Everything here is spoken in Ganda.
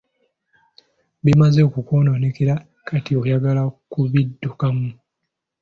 Bimaze okukwonoonekera kati oyagala kubiddukamu.